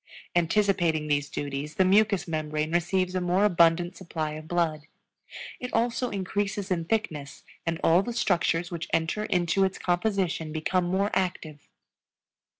Anticipating these duties the mucous membrane receives a more abundant supply of blood; it also increases in thickness and all the structures which enter into its composition become more active.